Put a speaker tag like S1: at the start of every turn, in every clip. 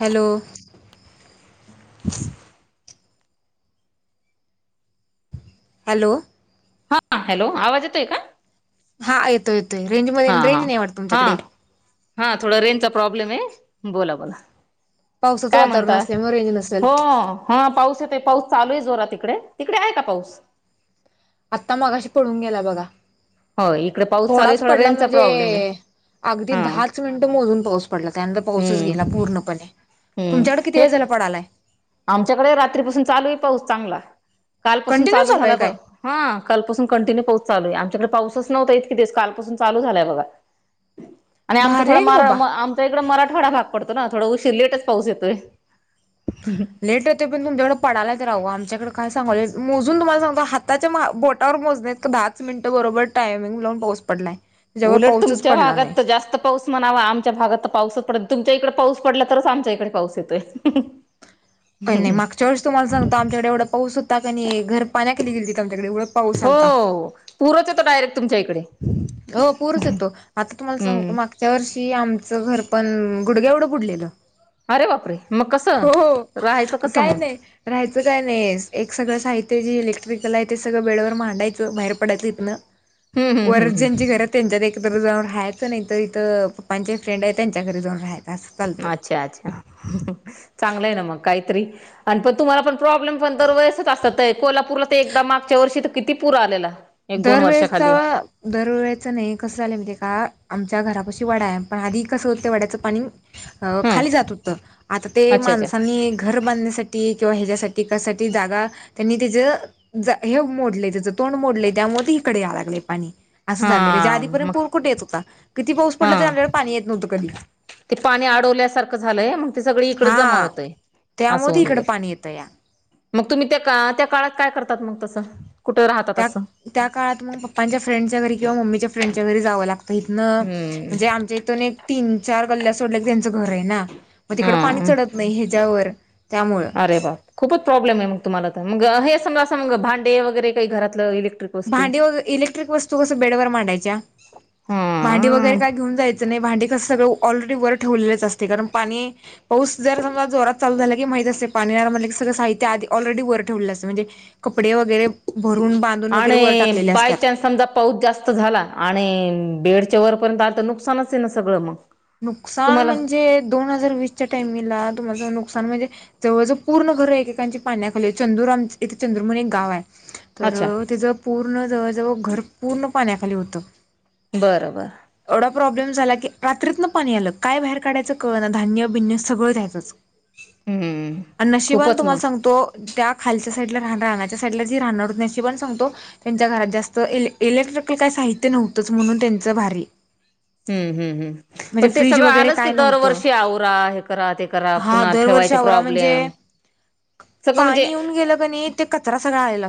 S1: Hello
S2: [unintelligible]
S1: hello
S2: हा hello आवाज येतोय का
S1: हा येतो येतो
S2: हा हा हा हा थोडा रेंचा प्रॉब्लेम आहे बोला बोला
S1: पावसाचं
S2: काय
S1: वातावरण
S2: म्हणतात
S1: असल्यामुळे रेंज नसेल
S2: हो हा पाऊस येते पाऊस चालू आहे जोरात तिकडे तिकडे आहे का पाऊस
S1: आत्ता मगाशी पळून गेला बघा
S2: होय इकडे पाऊस चालू आहे
S1: थोडाच
S2: थोडा
S1: पडला
S2: रेन चा प्रॉब्लेम आहे
S1: म्हणजे अगदी
S2: हा
S1: दहाच मिनिटं मोजून पाऊस पडला त्यानंतर पाऊसच गेला
S2: हम्म
S1: पूर्णपणे
S2: हम्म
S1: तुमच्याकड किती
S2: हे
S1: वेळ झाला पडालाय
S2: आमच्याकडे रात्रीपासून चालू आहे पाऊस चांगला कालपसून
S1: कंटिन्यू
S2: चालू
S1: आहे
S2: झाला
S1: काय
S2: बर कालपासून कंटिन्यू पाऊस चालू आहे तिकडे पाऊसच नव्हता इतकीि दिवस कालपासून चालू झालाय बघा आणि आमचा
S1: भारी
S2: थोडा
S1: आहे की बाबा
S2: मराठवाड्यात भाग पडतो ना थोड उशीर झालाय पाऊसाला लेटच पाऊस येतोय
S1: लेट होते पण तुमच्याकडे पडू तर राहिला य मोजून तम्हाला सां हाताच्या बोटवर मोजत दच मिनट बरोबर टामिंग पाऊस पडलाय. त्याच्यावर
S2: उलट
S1: पाऊसच
S2: तुमच्या
S1: पडला नाही
S2: भागात तर जास्त पाऊस म्हणावा आमच्या भागात तर पाऊसच पडत तुमच्या इकडे पाऊस पडला तरच आमच्या इकडे पाऊस येतोय
S1: काही नाही मागच्या वर्षी वेळ तुम्हाला सांगत आमच्याडे एवढा पाऊस होता का नाही घर पाण्या केली गेली ती आमच्याकडे एवढं
S2: हो पूरच येतो डायरेक्ट तुमच्या इकडे
S1: हो पुरच येतो आता तुम्हाला सांग
S2: हम्म
S1: मागच्या वर्षी की आमचं घर पण गुडग्यावढं बुडलेलं
S2: अरे बाप रे!
S1: हो काय नाही राहायचं काय नाही एक सगळं काह ते जे इलेक्ट्रिकल आहे ते सगळं बेडवर मांडायचं बाहेर पडायचं हितन
S2: हम्म हम्म हम्म
S1: वरजची घर त्यांच्या एक तर ज जाऊ राहायचं नाही तर इथं पप्पांचे फ्रेंड आहेत त्यांच्या घरी जाऊन राह्याच
S2: अच्छा अच्छा! चांगलं आहे ना मगं काहीतरी आणि पण तुम्हाला पण प्रॉब्लेम पण दर वेळेसच असत कोल्हापूरला तर एकदा मागच्या वर्षी तर किती पूर आलेला एक दोन
S1: दरवेळेचा
S2: वर्षाखाली
S1: दरवेळेच नाही कसं झालं माहिती आहे का आमच्या घरा- अशी वडा आहे पण आधी कसं होतं वड्याचं पाणी अ
S2: हम्म
S1: खाली जात होत आता ते
S2: अच्छा अच्छा
S1: माणसांनी घर बांधण्यासाठी किंवा ह्याच्यासाठी कसाठी जागा त्यांनी त्याच हे मोडले त्याज त्यामुळे ते इकडे याय लागलय पाणी असं झालेे
S2: हा
S1: आधीपर्यंत
S2: मग
S1: पूर कुठ येत होता किती पाऊस पडला तरी
S2: हा
S1: आपल्याला पाणी येत नव्हतं कधी
S2: ते पाणी अडवल्यासारखं झालंय म्ह ते सगळी इकड जमा
S1: हा
S2: होतय अस
S1: त्यामुळे ते
S2: हून
S1: इकडं
S2: गेलय-
S1: पाणी येतं या
S2: मगं तुम्ही त्या त्या काळात काय करतात मगं तसं कुठे राहतात
S1: त्या
S2: असं
S1: त्या काळात मगं पप्पांच्या फ्रेंडच्या घरी किंवा मम्मीच्या फ्रेंडच्या घरी जावं लागत तर इथनं
S2: हम्म
S1: म्हणजे आमच्या इथून एक तीन चार गल्ल्या सोडल्या क त्यांचं घर आहे ना मगं तिकडं पाणी
S2: हा
S1: चढत नाही ह्याच्यावर त्यामुळं
S2: अरे बा खूपच प्रॉब्लेम आहे मगं तुम्हाला तर मग हे सम असं म भांडे वगैरे काही घरातलं इलेक्ट्रिक वस्तू
S1: भांडी वगैरे इलेक्ट्रिक वस्तू कस बेडवर मांडायच्या भांडी
S2: हा
S1: वगैरे काय घेऊन जायचं नाही भांडी कसं सगळं ऑलरेडी बरे ठेवलेलेच असते कारण पाणी पाऊस जर समजा जोरात चालू झाला की माहीत असते पाणी म्ह ऑलरेडी ठेव म्हणजे कपडे वगैरे भरून बाधून
S2: आणि बाय च्यान्स समजा पाऊस जास्त झाला आणि बेडच्या वरपर्यंत आलं तर नुकसानच आहे ना सगळं मग
S1: नुकसान
S2: तुम्हाला
S1: म्हणजे दोन हजार वीसच्या टामीला तुमं नुकसान म्हणजे जवळजवळ पूर्ण घर एकेकांची पाण्याखाली चंदूर आम इथे चंदूर म्हणून एक गाव आहे तर
S2: अच्छा
S1: तचं पूर्ण जवळजवळ घर पूर्ण पाण्याखाली होतं
S2: बरं बरं.
S1: एवढा प्रॉब्लेम झाला की रात्रीत न पाणी आलं काय बाहेर काढायचं कळ ना धान्य बिन्य सगळं द्यायचं
S2: हम्म
S1: आणि नशिबानं
S2: खूपच मग
S1: तुम्हाला सांगतो त्या खालच्या साईड ला राहण राहण्या [inaudible] [inaudible]
S2: हम्म हम्म हम्म--. पण ते सगळं आलंच की
S1: काय नव्हतं
S2: दरवर्षी आवरा हे करा ते करा
S1: हा
S2: पुन्हा
S1: दरवर्षी
S2: ठेवायचे
S1: आवरा म्हणजे
S2: प्रॉब्लेम सगळं म्हणजे
S1: पाणी येऊन गेलं कनी ते कचरा सगळा आला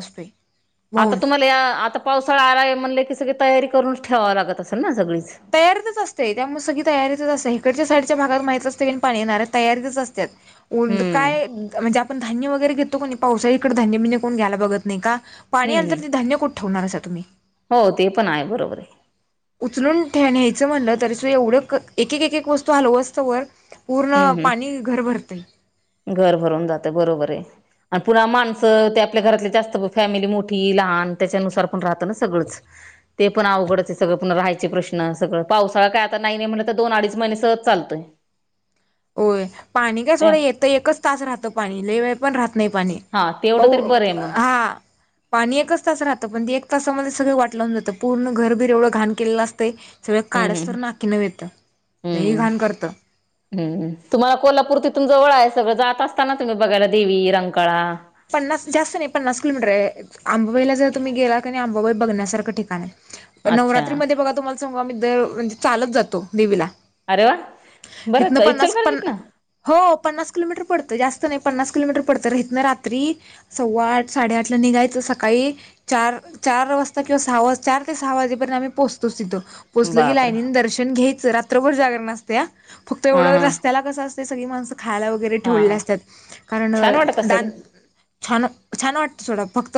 S2: आता तुम्हाला या आता पावसाळा आलाय म्हणले की सगळी तयारी करूनच ठेवावं लागत असेल ना सगळीं
S1: तयारीच असते त्यामुळे सगळी तयारीतच असतते इकडच्या सा च्या भागावर पाणी येणार तयारीत असत्यात ऊन
S2: हम्म
S1: काय म्हणजे आम धान्य वगैरे घेतो नाही पावसाळी इकडे धान्य बिय कोण घ्यायला बघत का पाणी
S2: हम्म
S1: आलं
S2: हम्म
S1: तर ते धान्य कु ठेवणारायसा तुमी.
S2: हो ते पण आहे बरोबर आहे.
S1: उचलून ठे न्यायचं म्हणलं तरी सुद्धा एवढं एक एक एक वस्तू हलवस तो वर
S2: हम्म हम्म घर भरून जाते बरोबर आहे. आणि पुन्हा माणसं ते आपल्या घरातले जास्त फॅमिली मोठी लहान त्याच्यानुसार पण राहतं ना सगळंच ते पण अवडच सगळं पण राहायचे प्रश्न सगळं पावसाळा काय आता नाही नाही म्हटलं तर दोन अडीच महिने सहज चालत तोय.
S1: होय पाणी काय थोडं येतं एकच तास राहतं पाणी लई वेळ पण राह नाही पाणी
S2: हा तेवढं तरी बरं आहे मग
S1: आ पाणी एकच तास राहतं पण ते एक तास आम्हाला सगं वाटलं होन जातं पूर्ण घरबिर एवढं घण केलेलं असत. सगळं काळे
S2: हम्म
S1: स्तर
S2: हम्म
S1: नाकी नऊ येत लई
S2: हम्म
S1: घाण करतं.
S2: हम्म तुम्हाला कोल्हापूर तिथुम जवळ आहे सगळं जात असताना तुम्ही बघायला देवी रंकाळा
S1: पन्नास जास्त नाही पन्नास किलोमीटर आहे आंबबाईला जर तुम्ही गेला क आंबाबाई बघण्यासारखं ठिकाण आहे.
S2: अच्छा
S1: नवरात्रीमध्येध्ये बघा तुम्हाला सांगा मर म्हणजे चालत जातो देवीला
S2: अरे वा
S1: इथन
S2: बरं
S1: पन प
S2: इचलकरंजीत ना
S1: हो पन्नास किलोमीटर पडत जास्त नाही पन्ना किलोमीटर पडत इतना रात रात्री सव्वा आठ साडेआठला निघाय तर सकाळी चार चार वाजता किंवा सहा वाजता चार ते सहाजेर्यंत आम्ही पोहोचतोच तिथं. पोचलं गी
S2: बापरे
S1: लाईनीन दर्शन घ्यायचं रात्रभर जागर नसते फक्त
S2: हा
S1: एवढं
S2: हा
S1: रस्त्याला कसं असत सगळी माणसं खायला वगैरे ठेवल्या
S2: हा
S1: असतात कारण
S2: छान वाटत असेल
S1: दान छान छान वाटतं सोडा फक्त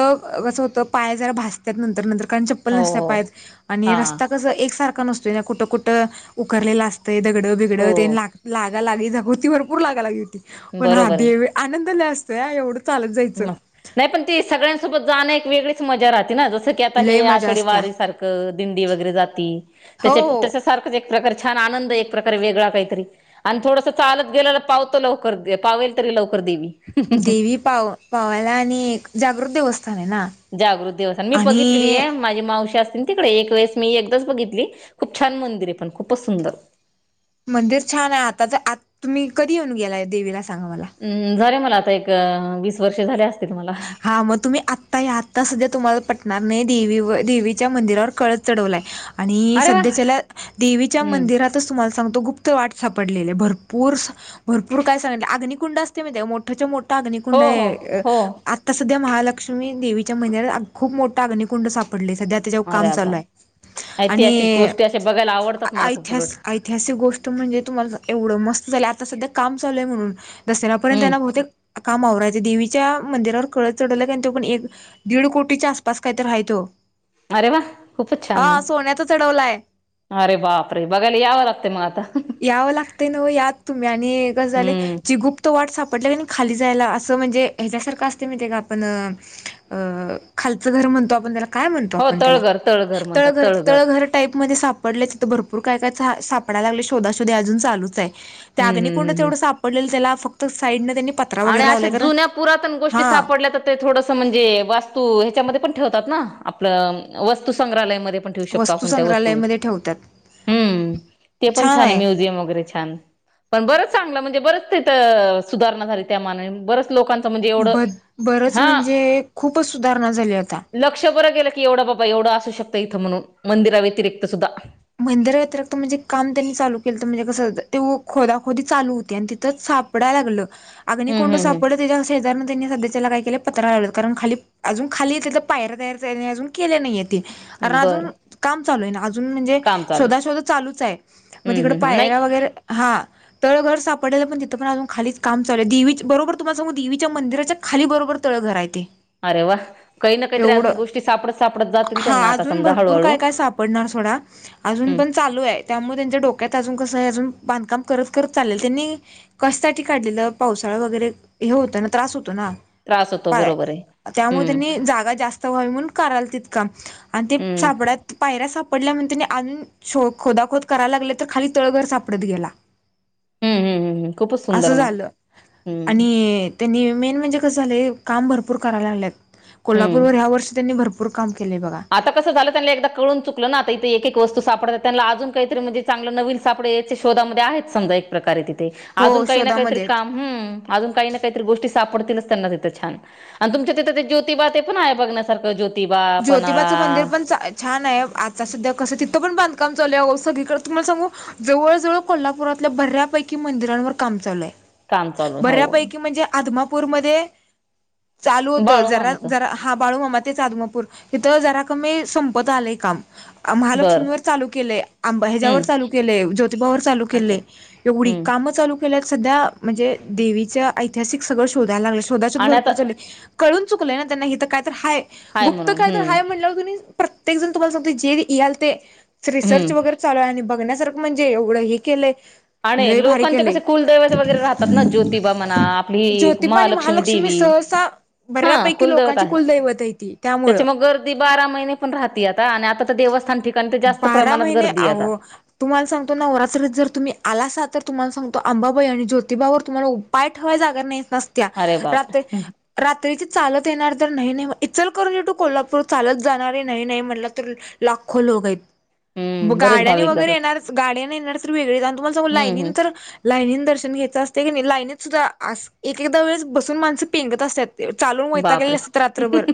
S1: कसं होतं पाय जरा भासत्यात नंतर नंतर चप्पल
S2: हो
S1: नसत्या
S2: हो
S1: पाेत आणि
S2: हा
S1: रस्ता कस एक सारखा नसतो कुठं कुठ उकरलेला असत ते दगडं
S2: हो
S1: बिगडं ते लाग लागा लाग जगती भरपूर लागा लागी होते पण हा
S2: बरोबर
S1: देवे आनंदाने असतो एकढ
S2: म नाही पण ती सगळ्यांसोबत जाणं एक वेगळीच मजा राहते ना जसं ज की आता
S1: लय
S2: हे
S1: मजा
S2: आषाढी
S1: असत्या
S2: वारी सारखं दिंडी वगैरे जाते त्या
S1: हो हो
S2: त्याच्यासारखंच एक प्रकार छान आनंद एक प्रकारे वेगळा काहीतरी आणि थोडस चालत गे पावतो लवकर पावेल तरी लवकर देवी
S1: देवी पाव पावायला आणि जागृत देवस्थ
S2: जागृत दिवस आणि मी बघितलेली आहे माझी मावशी अस तिकडे एक वेळेस मी एकदाच बघितली खूप छान मंदिर आहे पण खूपच सुंदर
S1: मंदिर छान आहे आता तर आ तुम्ही कधी येऊन गेलाय देवीला सांगा मला
S2: हम्म झाले मला आता एक वीस वर्ष झाले अस
S1: हा मग तुम्ही आत्ता या आता सध्या तुम्हाला पट णार नाही देवीवर देवीच्या मंदिरावर कळस चढवलाय आणि
S2: अरे वा
S1: सध्याच्याला देवीच्या
S2: हम्म
S1: मंदिरातच तुम्हाला सांगतो गुप्त वाट सापडलेले भरपूर भरपूर काय सांगले अग्नकुंड असते म ते मोठच्या मोठ
S2: हो
S1: अग्निकुंड
S2: हो
S1: ये
S2: हो
S1: तरता सध्या महालक्ष्मी देवीच्या मंदिरात खूप मोठा अग्निकुंड साप पडली सध्या त्याच्यावर
S2: अरे
S1: काम चालू
S2: आबा
S1: आहे
S2: ऐतिहासिक
S1: आणि
S2: गोष्टी अशा बघायला आवडतात मला खूप उलट
S1: ऐतिहास ऐतिहासिक गोष्ट म्हणजे तुम्हाला एवढं मस्त झालं आता सध्या काम चालूय म्हणून दसऱ्यापर्यंत
S2: हम्म
S1: त्यांना बहुतेक काम आवरायचं देवीच्या मंदिरावर कळत चढवलं कार तो पण एक दीड कोटीच्या आसपास काय तर हाये त्यो
S2: अरे वा खूपच छान
S1: हा
S2: मग
S1: सोन्याचा चढवलाय.
S2: अरे बाप रे बघायला यावर लागते मग आता
S1: यावं लागते न यात तुम्ही आणि ग झाले आहे
S2: हम्म
S1: जी गुप्त वाट साप आपटलं की खाली जायला असं म्हणजे ह्याच्यासारखं असते माीती आहे का आपण अ खालचं घर म्हणतो आपण त्याला काय म्हणतो
S2: हो
S1: आपण त्याला
S2: तळघर म्हणतात
S1: तळघर तळघर टाईप मध्ये सापड भरपूर काय काय सापडय लाग शोधशोधे अजून चालूच आहे ते
S2: हम्म हम्म
S1: अग्कुंड
S2: हम्म हम्म.
S1: तेवढं सापडले त्याला... फक्त साईड न त्यांनी पत्रा
S2: आणि
S1: वगैरे
S2: अशा
S1: लावलाय कारण
S2: जुन्या पुरातन गोष्टी
S1: हा
S2: सापडल्या तें थोडसं म्हणजे वास्तू ह्याच्यामध्ये पण ठरत तात न आपल वस्तू संग्रहलया मध्ये पण ठेऊ शकतो
S1: वस्तू
S2: आपन त्या वस्तू.
S1: संग्रहालयमध्ये ठेवतात
S2: हम्म ते पण छान आहे म्युझियम वगैरे छान पण बरच चांगलं म्हणज तें बरच काय त, सुधारणा झाली त्या मनानी, बरच लोकांन त म्हणजे एवढं
S1: ब बरंच
S2: हा
S1: म्हणजे खूपच सुधारणा झाली आता
S2: लक्ष बर गेलं की एवढं बाबा एवढं असू शकतो त इथं म्हणून मंदिराव्यतिरिक्त सुद्धा
S1: मदिर व्यिरिकत म्हणजे काम त्यांनी चालू केलंत कस ते खोदाखोदी चालू होते आणि तिथं सापड्यला लागलं,
S2: हम्म
S1: अग्निकुंड
S2: हम्म
S1: सापडलं
S2: हम्म
S1: त्याच्या शेजारी त्यांनी तें त्याला काय केलं पत्र लावत कारण खाली अजून खाली त्या पायर तयार अजून केले नाही आहेत. अजून
S2: बरं
S1: काम चालू आहे अजून म्हणजे
S2: काम चालू
S1: शोधशोध चालूच आहे मग
S2: हम्म
S1: तिकड
S2: हम्म हम्म नाही
S1: पायऱ वगैरे हा... तळ घर सापडलेलं पण तिथं पण अजूनालीच काम चाल देवी बरोबर तुम्हाला सांगु देवीच्या मंदिराच्या खाली बरोबर तळ घर हाय ते.
S2: अरे वा काही ना काहीतरी अजून
S1: एवढं
S2: गोष्टी सापडत सापडत जातील त्यांना आता समजा हळूहळू.
S1: थोडा अजून
S2: हम्म
S1: पण चालू आहे त्यामुळे त्यांच्या डोक्यात अजून कस [inaudible] बांधकाम करत करत चाललेल त्यांनी कशसाठी काढलेलं पावसाळ वगैरे हे होतं ना त्रास होत तना
S2: असतो बरोबर आहे.
S1: त्यामुळे
S2: हम्म
S1: त्यांनी जागा जास्त व्हावी म्हणून करायला तितकाम आणि ते
S2: हम्म
S1: सापड्या पायऱ्याच फक्त पडल्या म्हण तने अजून खोदाखोद करायला लागले तर खाली तळघर सापडत गेला.
S2: हम्म हम्म हम्म खूपच सुंदर
S1: असं
S2: मग
S1: झालं
S2: हम्म
S1: आणि त्यांनी मेन म्हणजे कस झालंय काम भरपूर करायला लालेत
S2: हम्म
S1: कोल्हापूरवर ह्या वर्षी त्यांनी भरपूर काम केले बघा
S2: आता कसं झालं त्यांना एकदा कळून चुकलं ना तें. ते एक एक वस्तू सापडतात त्यांना अजून काहीतरी म्हणजे चांगलं नवीन सापडे याच्या शोधामध्ये आहेत समजा एक प्रकारे तें.
S1: हो
S2: अजून काही ना काहीतरी
S1: शोधामध्ये आहेत
S2: कामम अजून काही ना काहीतरी गोष्ट सापडतील. तिथे छान आणि तुमच्या तिथे ते जोतिबा पण आहे बघण्यासारखं जोतिबा.
S1: जोतीबाचं मंदिर पण चा छान आहे आता सध्या कसं तिथं पण बांधकाम चालू सगळीकडे तुम्हाला सांगू जवळ जवळ कोल्हापुरात... बऱ्यापैकी मंदिरवर काम चालू आहे
S2: काम चालू आहे, हो
S1: बऱ्यापैकी म्हणजे आदमापू पूरमध्येध्ये चालू होत
S2: बाळू
S1: जरा
S2: मामाचं
S1: जरा हा बाळू मामा तेचा आदमापूर ज जरा कमीी संपत आलं य काम.
S2: बर
S1: महालक्ष्मीवर चालू केलेय आंबा ह्याच्यावर
S2: हम्म
S1: चालू केले जोतिबावर चालू
S2: अच्छा
S1: केले एवढी ही
S2: हम्म
S1: कामंचालू.. सध्या म्हणजे देवी ऐिहासिक सगळं शोधयला लाग शोधशोध
S2: आणि आता
S1: भरपूरून केली कळून.. चुकलंय ना त्यांनाय इथं काय तर आय
S2: हाय
S1: गुपत
S2: म्हणून
S1: काय तर
S2: हम्म
S1: हय म्हणल्यावर कीं नाई.. प्रत्येकण तुम्हाला सांग जेल ते रिसर्च
S2: हम्म
S1: वगैरे चालू हाय आनी बघ बघण्यासारं म्हणजे एवढं हे केलंय. लय
S2: आणि
S1: भारी
S2: लोकांचे
S1: केलेय
S2: कसे कुलदैवत वगैरे राहतात ना ज्योतिबा म्हणा आपली
S1: ज्योतिबा आनी महालक्ष्मी... मी
S2: देवी
S1: सहसा बऱ्यापैकी लोकांची कुलदैवत आहे तें.
S2: त्याच्या मग गर्दी बारा महिने पण राहते आता आणि आता तर देवस्थान ठिकाणी तर जास्त
S1: बारा
S2: प्रमाणात
S1: महिने
S2: गर्दी आता.
S1: आहो तुम्हाला सांगतो ना नवरात्री जर तुम्ही आलासा तर तुम्हाला सांगो तो आंबाबाई आणि जोतिबावर तुम्हाला पाय ठेवाय जागणार नाही. नत्या
S2: अरे
S1: रात
S2: बापरे!
S1: रात्री चालत येणार तर न्हवं न्हवं इचल करून तू कोल्हापूर चालत जाणारी नाही नाही म्हटलं तर लाखो लोक आहेत.
S2: हम्म. बरेच
S1: गाड्याने
S2: भाविक
S1: वगैरे
S2: जातात.
S1: येणार गाड्याने येणार तर वेगळेच तुम्हाला सग
S2: हम्म
S1: लाईननीन
S2: हम्म
S1: तर लाईनीन दर्शन घ्यायं असते की नाही. लाईनीतसुद्धा अस एक एकदा वेळेस बसून माणसं पेंगत असत्यात. चालून वैताग गेले
S2: बापरे!
S1: असतात रात्रभर.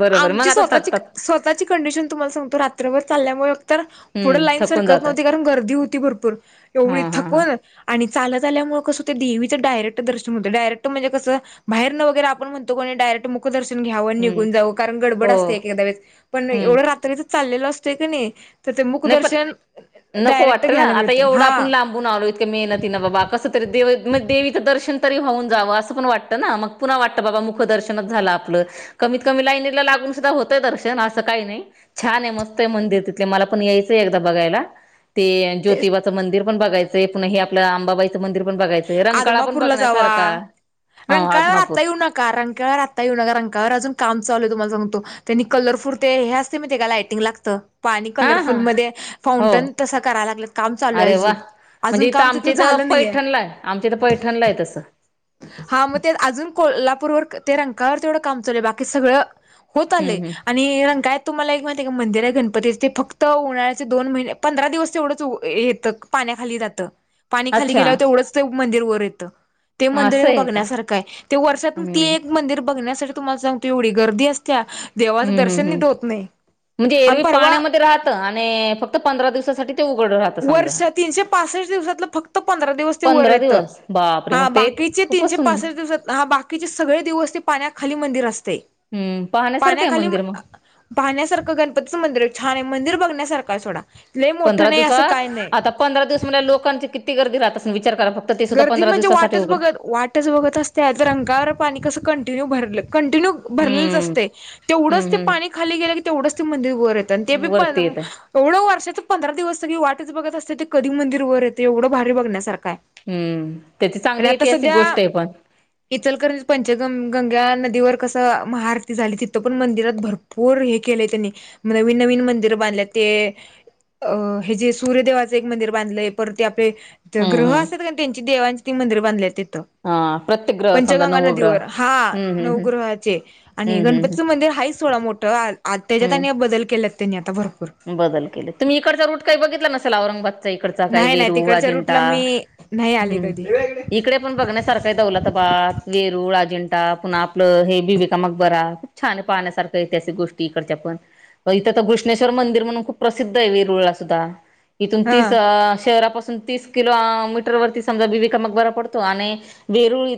S2: बरोबर मग
S1: आमची
S2: आता
S1: स्वतःची
S2: थकतात.
S1: स्वतःची कंडिशन तुम्हाला सांगतो, रात्रभर चालल्यामुळ तर पुढं
S2: हम्म
S1: लाईन
S2: थकून
S1: सरकत
S2: जातात.
S1: नव्हती कारण गर्दी होती. भरपूर एवढी
S2: हा हा हा
S1: थकून आणि त ल झाल्यामुळे कसं ते देवीचं डयेक्ट दर्शन होते डायेक्ट म्हणजे, कस बाहेर न वगैरे आपणतो को डयर मुकदर्शन. घ्या
S2: हम्म
S1: निघून जाव कारण
S2: हो
S1: गडबड असते, एक वेळे पण
S2: हम्म
S1: एवढं रात्रीच चाललेलं असतय क नाही. तर ते
S2: नाही पण
S1: मुकदर्शन
S2: नको वाटतं ना! आता एवढं आपण लांबून आलो, इतकं मेहनती ना! बाबा कसं तरी दे देवीचं दर्शन तरी होऊन जावं असण वाट ना! मग पुन्हा वाटतं बाबा मुखदर्शनच झालं आपलं कमीत कमी लाई लागू होत दर्शन असं काही नाही, छान आहे, मस्त आहे, मंदिर ते मला पण यायच एकदा बघायला ते
S1: तेच
S2: ज्योतिबाचं मंदिर पण बघायचं हे, आपलं आंबाबाईचं मंदिर, पण बघायचंय रंकाळा
S1: आदमा
S2: पण
S1: पुरला जावा.
S2: बघण्यासारखा हा
S1: रंकाळावर
S2: आदमापूर
S1: आत्ता येऊ नका! रंकाळवर आता येऊ नका! रंकावर अजून काम [unintelligible] ल आहे तुम्हाला सांगतो त्यांनी कलरफुर ते हे असते मी ते का लायटिंग लागत. पाणी
S2: हा हा
S1: कलरफुल मध्ये
S2: हो
S1: फाउंटन तसं करायला लागलं काम चालू आहे
S2: अरे वा
S1: अजून. अजून
S2: म्हणजे इथं
S1: काम तिथलं
S2: आमच्या इथं
S1: झालं नाहीे.
S2: पैठणला आहे आमच्या तर पैठणला आहे तसं.
S1: हा मग ते अजून कोल्हापूरवर ते रंकाळा वर तेवढं काम चालू बाकी सगळं होत
S2: हम्म
S1: आले,
S2: हम्म
S1: आणि रंग तुम्हाला एक माहिती आहे का मंदिर आहे. गणपतीचे ते फक्त उन्हाळ्याचे दोन महिने पंधरा दिवस तेवढंच येतं पा पाण्या खाली जात, पाणी खाली
S2: अच्छा
S1: गेल्यावर तेवढंच ते मंदिर वर येतय. ते
S2: असं
S1: मंदिर
S2: आहे का
S1: बघण्यासारखं आहे ते वर्षात
S2: हम्म
S1: ती एक मंदिर बघण्यासारख तुम्हाला सांगतो एवढी गर्दी असत्या देवाचं
S2: हम्म
S1: दर्शन
S2: हम्म हम्म
S1: निट होत नाही.
S2: म्हणजे
S1: आणि
S2: एरवी
S1: परवा
S2: पाण्यामध्ये राहत आणि फक्त पंधरा दिवसासाठी ते उघड राहतं समजा
S1: वर्ष तीनशे पासठ दिवसातलं फक्त पंधरा दिवस ते वर
S2: पंधरा
S1: येत.
S2: दिवस बापरे मग
S1: हा
S2: ते
S1: बाकीचे
S2: खूपच
S1: तीनशे
S2: सुं
S1: पाचशष्टे दिवसात हा बाकीचे सगळे दिवस ते पाण्याखाली मंदिर असते.
S2: हम्म पाहण्यासारखं आहे
S1: पाण्याखाली
S2: मंदिर मग
S1: पाण्यासारखं गणपतीचं मंदिर आहे, छान आहे मंदिर. बघण्या सरकार सोडा ल मोठं
S2: पंधरा
S1: नाही असं
S2: दिवसात
S1: काय नाही
S2: आता पंधरा दिवस म लोकांची किती गर्दी राह
S1: गर्दी म्हणजे वाटच बघत वाटच बघत असते, अंगावर पाणी कस कंटिन्यू भरलं कंटिन्यू भरलेच
S2: हम्म
S1: असते,
S2: हम्म
S1: तेवढंच ते पाणी
S2: हम्म
S1: खाली गेलं की तेवढंच ते मंदिर वर येत आणि ते बी
S2: वरती येत आहे
S1: एवढं वर्षाच पंधरा दिवस कनई वाटच बघत असते ते, कधी मंदिर वर येते एवढं भारी बघण्यासारखं आहे.
S2: हम्म! त्याची चांगली ऐतिहासिक गोष्ट आहे पण
S1: इचलकरंजी पंचगंगा नदीवर कस महाआरती झाली, तिथ पण मंदिरात भरपूर हे केले त्यांनी नवीन नवीन मंदिर बांधल्यात. हे जे सूर्य देवाचं एक मंदिर बांधलंय परती
S2: हम्म
S1: ग्रह
S2: हम्म
S1: असतात कारण त्यांची देवांचे ती मंदिर बांधले.
S2: हा प्रत्येक ग्रह समजा
S1: पंचगंगा
S2: नवग्रह
S1: नदीवर हा
S2: हम्म हम्म हम्म
S1: नवगृहाचे आणि
S2: हम्म हम्म हम्म
S1: गणपतीचं मंदिर आहेच तिथं थोडा मोठं त्याच्यात
S2: हम्म
S1: त्यांनी बदल केलात त्यांनी आता भरपूर,
S2: बदल केले तुम्ही इकडचा रूट काही बघितला नसेल, औरंगाबाद इकड काही
S1: नाही नाही
S2: वेरूळ
S1: तिकडच्या
S2: अजिंठा
S1: रूटला मी नाही आले
S2: ह्
S1: कधी
S2: इकडे पण बघण्यासारख आहे दौलताबा बात वेरूळ वेरुळ, अजिंठा, पुन्हा आपलं हे बिबिका मकबरा, खूप छान पाहण्यासारखं ऐतिहासिक गोष्टी इकडच्या पण. इथं तर घृष्णेश्वर मंदिर म्हणून खूप प्रसिद्ध आहे, वेरुळला सुद्धा इथून तीस
S1: हा
S2: शहरापासून तीस किलो मीटर अ वरती समजा बीबी का मकबरा पडतो आणि वेरुळ